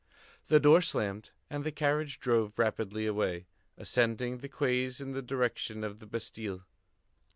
The door slammed, and the carriage drove rapidly away, ascending the quays in the direction of the Bastille.